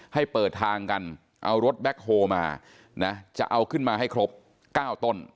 ให้เปิดทางกันเอารถแบ็คโฮมานะจะเอาขึ้นมาให้ครบ๙ต้น